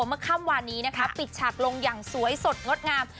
เมื่อค่ำวานนี้นะคะปิดฉากลงอย่างสวยสดงดงาม